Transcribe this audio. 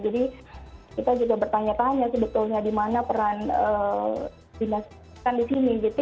jadi kita juga bertanya tanya sebetulnya di mana peran dinasikan di sini gitu